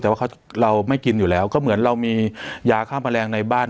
แต่ว่าเราไม่กินอยู่แล้วก็เหมือนเรามียาฆ่าแมลงในบ้าน